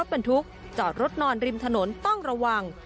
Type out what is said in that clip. บรรทุกจอดรถนอนริมถนนต้องระวัง